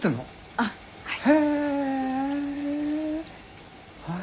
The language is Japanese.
あっはい。